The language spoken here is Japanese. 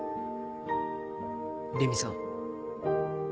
麗美さん。